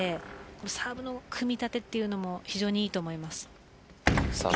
サーブの組み立ても非常にいいと思います。